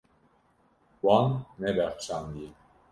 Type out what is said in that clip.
Wan nebexşandiye.